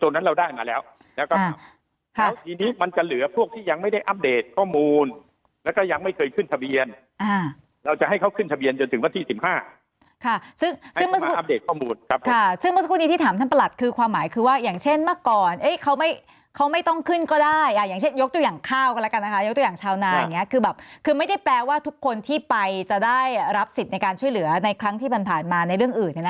ขึ้นทะเบียนตรวจสอบความถูกต้องนะคือขึ้นทะเบียนตรวจสอบความถูกต้องนะคือขึ้นทะเบียนตรวจสอบความถูกต้องนะคือขึ้นทะเบียนตรวจสอบความถูกต้องนะคือขึ้นทะเบียนตรวจสอบความถูกต้องนะคือขึ้นทะเบียนตรวจสอบความถูกต้องนะคือขึ้นทะเบียนตรวจสอบความถูกต้องนะคือขึ้น